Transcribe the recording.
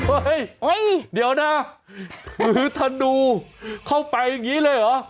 เฮ้ยเดี๋ยวนะถือธนูเข้าไปอย่างนี้เลยเหรอ